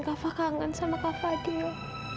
apa kangen sama kak fadil